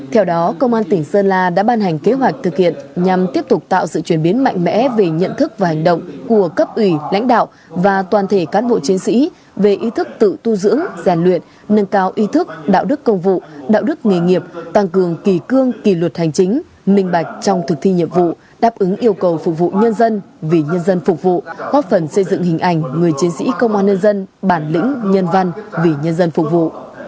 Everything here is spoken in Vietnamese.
theo đó công an tỉnh sơn la đã ban hành kế hoạch thực hiện nhằm tiếp tục tạo sự chuyển biến mạnh mẽ về nhận thức và hành động của cấp ủy lãnh đạo và toàn thể cán bộ chiến sĩ về ý thức tự tu dưỡng giàn luyện nâng cao ý thức đạo đức công vụ đạo đức nghề nghiệp tăng cường kỳ cương kỳ luật hành chính minh bạch trong thực thi nhiệm vụ đáp ứng yêu cầu phục vụ nhân dân vì nhân dân phục vụ hoặc phần xây dựng hình ảnh người chiến sĩ công an nhân dân bản lĩnh nhân văn vì nhân dân phục vụ